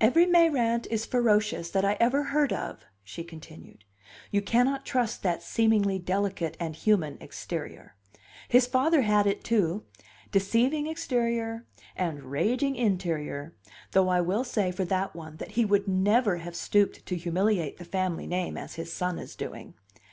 "Every Mayrant is ferocious that I ever heard of," she continued. "You cannot trust that seemingly delicate and human exterior. His father had it, too deceiving exterior and raging interior, though I will say for that one that he would never have stooped to humiliate the family name as his son is doing.